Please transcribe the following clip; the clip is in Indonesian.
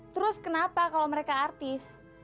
terus kenapa kalau mereka artis